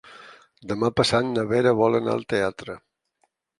Demà passat na Vera vol anar al teatre.